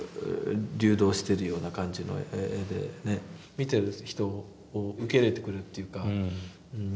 見てる人を受け入れてくれるっていうか。